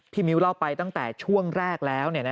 มิ้วเล่าไปตั้งแต่ช่วงแรกแล้ว